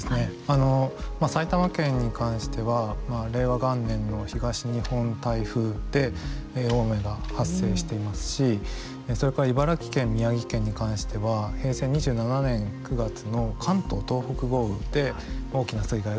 あの埼玉県に関しては令和元年の東日本台風で大雨が発生していますしそれから茨城県宮城県に関しては平成２７年９月の関東・東北豪雨で大きな水害が発生しています。